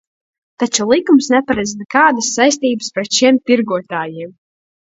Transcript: Taču likums neparedz nekādas saistības pret šiem tirgotājiem.